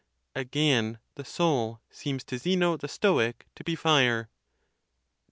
Again, the soul seems to Zeno the Stoic to be fire. X.